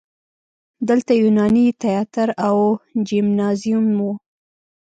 دلته یوناني تیاتر او جیمنازیوم و